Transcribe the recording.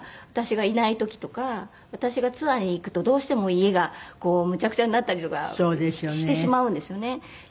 私がいない時とか私がツアーに行くとどうしても家がむちゃくちゃになったりとかしてしまうんですよね。